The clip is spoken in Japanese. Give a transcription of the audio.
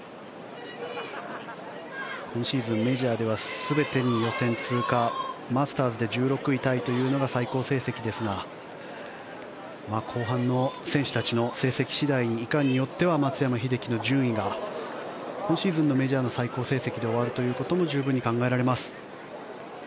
今シーズン、メジャーでは全て予選通過マスターズで１６位タイというのが最高成績ですが後半の選手たちの成績次第いかんによっては松山英樹の順位が今シーズンのメジャーの最高成績で終わるということも十分考えられます。